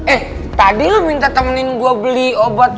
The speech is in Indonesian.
eh tadi lu minta temenin gua beli obat